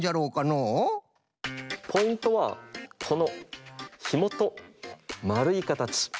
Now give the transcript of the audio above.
ポイントはこのひもとまるいかたち。